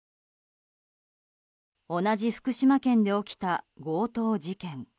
同じ福島県で起きた強盗事件。